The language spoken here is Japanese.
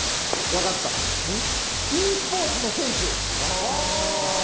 わかった、ｅスポーツの選手。